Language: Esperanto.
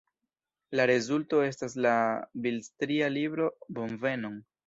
La rezulto estas la bildstria libro Bonvenon!